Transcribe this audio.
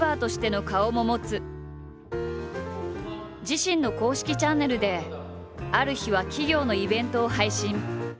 自身の公式チャンネルである日は企業のイベントを配信。